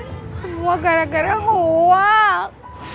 semua gara gara hoak